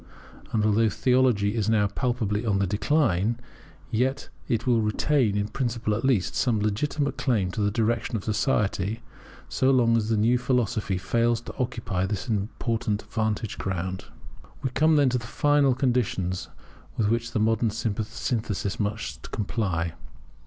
And although theology is now palpably on the decline, yet it will retain, in principle at least, some legitimate claims to the direction of society so long as the new philosophy fails to occupy this important vantage ground. We come then to the final conditions with which the modern synthesis must comply.